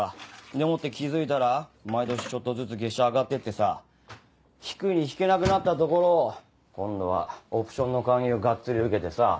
でもって気付いたら毎年ちょっとずつ月謝上がってってさ引くに引けなくなったところを今度はオプションの勧誘ガッツリ受けてさ。